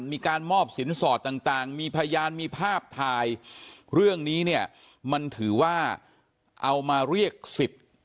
มีการมอบสินสอดต่างมีพยานมีภาพถ่ายเรื่องนี้เนี่ยมันถือว่าเอามาเรียกสิทธิ์